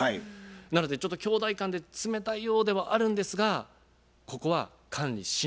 なのでちょっと兄弟間で冷たいようではあるんですがここは管理しないを。